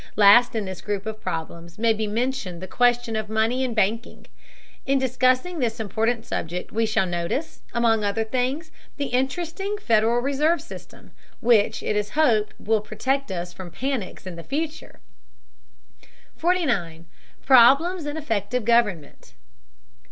Last in this group of problems may be mentioned the question of money and banking. In discussing this important subject we shall notice, among other things, the interesting Federal reserve system, which, it is hoped, will protect us from panics in the future. 49. PROBLEMS IN EFFECTIVE GOVERNMENT.